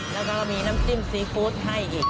แล้วก็มีน้ำจิ้มซีฟู้ดให้อีก